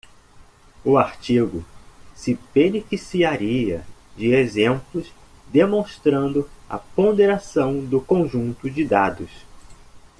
O artigo se beneficiaria de exemplos demonstrando a ponderação do conjunto de dados.